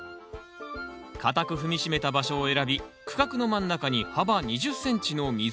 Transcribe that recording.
固く踏み締めた場所を選び区画の真ん中に幅２０ｃｍの溝を掘ります。